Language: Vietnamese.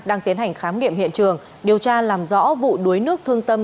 đang tiến hành khám nghiệm hiện trường điều tra làm rõ vụ đuối nước thương tâm